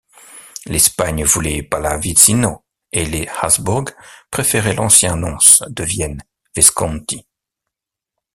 L'Espagne voulait Pallavicino, et les Habsbourg préféraient l'ancien nonce de Vienne, Visconti.